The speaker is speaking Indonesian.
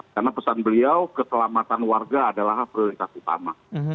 karena pesan beliau keselamatan warga adalah prioritas utama